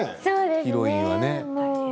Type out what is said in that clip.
ヒロインは。